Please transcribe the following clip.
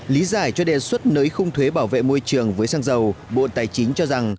lý giải cho đề xuất nới khung thuế bảo vệ môi trường với xăng dầu bộ tài chính cho rằng